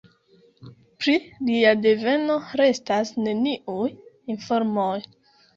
Pri lia deveno restas neniuj informoj.